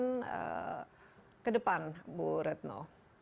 pertanyaan ke depan bu retno